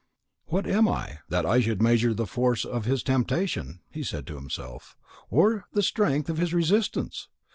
"What am I, that I should measure the force of his temptation," he said to himself, "or the strength of his resistance?